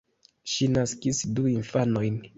Ŝi naskis du infanojn.